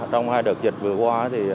trong hai đợt dịch vừa qua